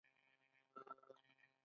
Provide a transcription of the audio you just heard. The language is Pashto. د انفرادي سلیقو قرباني باید ژبه نشي.